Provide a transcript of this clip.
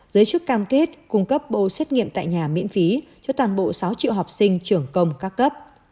giới chức cam kết cung cấp bộ xét nghiệm tại nhà miễn phí cho toàn bộ sáu triệu học sinh trường công các cấp